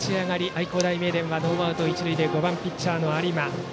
愛工大名電はノーアウト、一塁で５番ピッチャーの有馬。